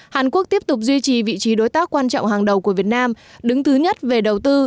hàn quốc tiếp tục duy trì vị trí đối tác quan trọng hàng đầu của việt nam đứng thứ nhất về đầu tư